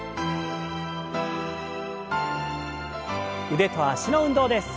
腕と脚の運動です。